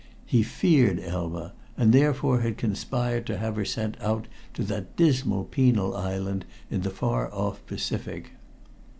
He feared Elma, and therefore had conspired to have her sent out to that dismal penal island in the far off Pacific.